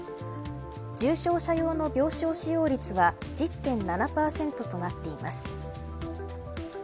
重症者用の病床使用率は１０．７％となっています。